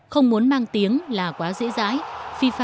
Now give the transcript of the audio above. không muốn mang tiếng là quá dễ dãi